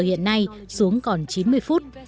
hiện nay xuống còn chín mươi phút